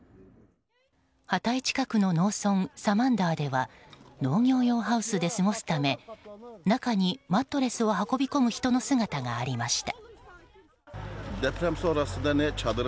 ハタイ近くの農村サマンダーでは農業用ハウスで過ごすため中にマットレスを運び込む人の姿がありました。